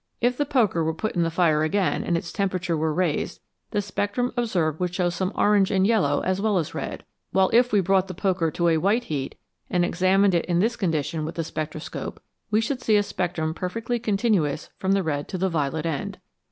If the poker were put in the fire again and its temperature were raised, the spectrum observed would show some orange and yellow as well as red, while if we brought the poker to a white heat and examined it in this condition with the spectroscope, we should see a spectrum perfectly continuous from the red to the violet end.